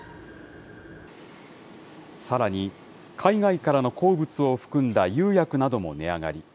さらに、海外からの鉱物を含んだ釉薬なども値上がり。